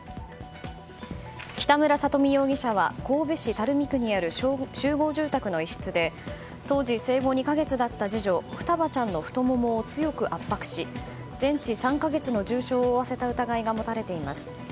北村里美容疑者は神戸市垂水区にある集合住宅の一室で当時生後２か月だった次女双葉ちゃんの太ももを強く圧迫し、全治３か月の重傷を負わせた疑いが持たれています。